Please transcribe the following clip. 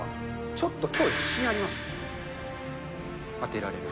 ちょっときょうは自信あります、当てられる。